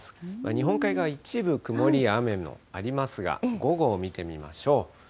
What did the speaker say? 日本海側、一部、曇りや雨もありますが、午後を見てみましょう。